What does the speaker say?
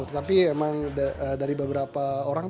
tetapi memang dari beberapa orang